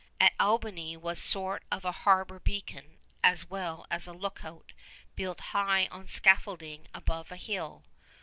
At Albany was a sort of harbor beacon as well as lookout, built high on scaffolding above a hill.